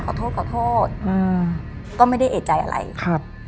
ขอโทษขอโทษอืมก็ไม่ได้เอกใจอะไรครับ